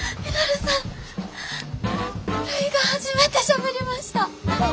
るいが初めてしゃべりました！